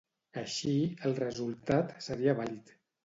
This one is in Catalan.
Així, el resultat seria vàlid.